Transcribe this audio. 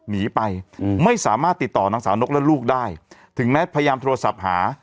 หนีไปไม่สามารถติดต่อนางสาวนกและลูกได้ถึงแม้พยายามโทรศัพท์หา